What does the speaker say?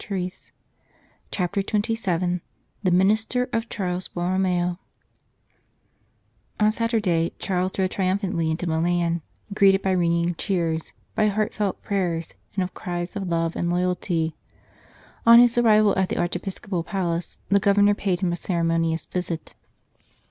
180 CHAPTER XXVII THE MINISTER OF CHARLES BORROMEO ON Saturday Charles rode triumphantly into Milan, greeted by ringing cheers, by heart felt prayers, and of cries of love and loyalty. On his arrival at the archiepiscopal palace, the Governor paid him a ceremonious visit.